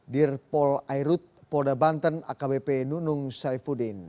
dir pol airut polda banten akbp nunung saifuddin